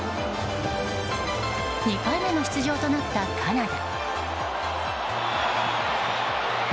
２回目の出場となったカナダ。